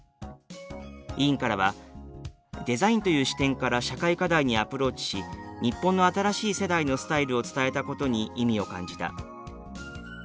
委員からは「デザインという視点から社会課題にアプローチし日本の新しい世代のスタイルを伝えたことに意味を感じた」。